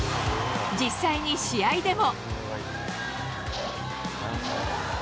実際に試合でも。